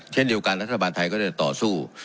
เช่นเดียวกันรัฐบาลไทยก็จะต่อสู้